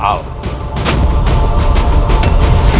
kau benar putra